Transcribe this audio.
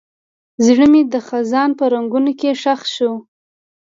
زړه مې د خزان په رنګونو کې ښخ شو.